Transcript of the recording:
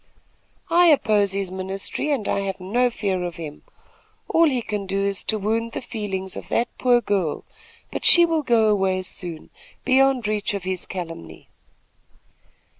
"I oppose his ministry, and I have no fear of him. All he can do is to wound the feelings of that poor girl; but she will go away soon, beyond reach of his calumny."